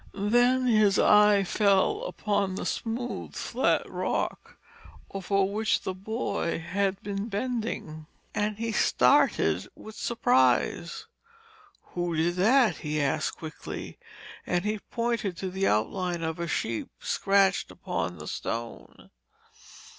Then his eye fell upon the smooth flat rock over which the boy had been bending, and he started with surprise. 'Who did that?' he asked quickly, and he pointed to the outline of a sheep scratched upon the stone.